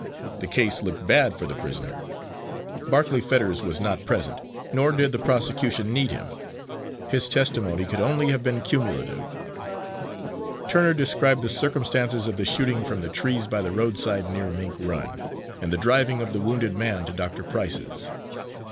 The case looked bad for the prisoner. Barclay Fetters was not present, nor did the prosecution need him; his testimony could only have been cumulative. Turner described the circumstances of the shooting from the trees by the roadside near Mink Run, and the driving of the wounded man to Doctor Price's.